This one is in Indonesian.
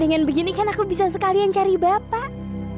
pengen begini kan aku bisa sekalian cari bapak